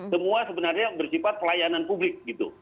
semua sebenarnya bersifat pelayanan publik gitu